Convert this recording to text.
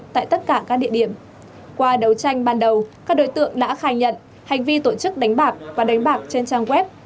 tại tất cả các địa điểm qua đấu tranh ban đầu các đối tượng đã khai nhận hành vi tổ chức đánh bạc và đánh bạc trên trang web